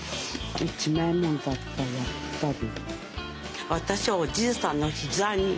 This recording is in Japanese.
一枚もんだったやっぱり。